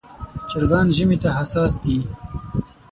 چرګان ژمي ته حساس دي.